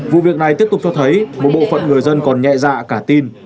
vụ việc này tiếp tục cho thấy một bộ phận người dân còn nhẹ dạ cả tin